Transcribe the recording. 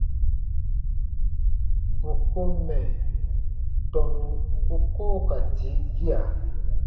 Bù ko mɛ̀ tɔnu u koo ka tii gia.